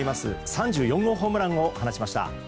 ３４号ホームランを放ちました。